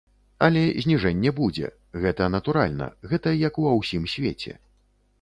Але зніжэнне будзе, гэта натуральна, гэта як ва ўсім свеце.